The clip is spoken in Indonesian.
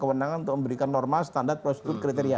dengan renangan untuk memberikan normal standar prosedur kriteria